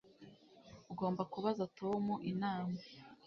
Ugomba kubaza Tom inama